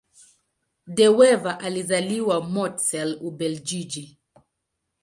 De Wever alizaliwa Mortsel, Ubelgiji.